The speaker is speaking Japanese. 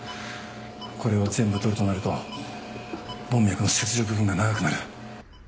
これを全部取るとなると門脈の切除部分が長くなる。